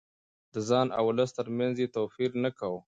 د ځان او ولس ترمنځ يې توپير نه کاوه.